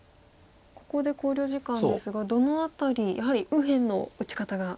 ここで考慮時間ですがどの辺りやはり右辺の打ち方がということですか。